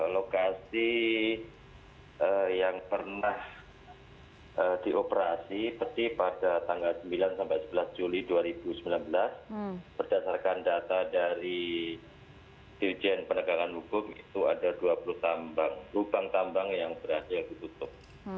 lokasi yang pernah dioperasi perti pada tanggal sembilan sampai sebelas juli dua ribu sembilan belas berdasarkan data dari dirjen penegakan hukum itu ada dua puluh lubang tambang yang berhasil ditutup